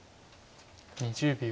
２０秒。